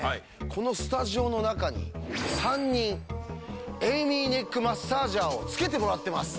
このスタジオの中に３人エイミーネックマッサージャーをつけてもらってます